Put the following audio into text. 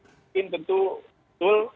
mungkin tentu betul